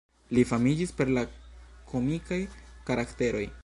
Li famiĝis per la komikaj karakteroj.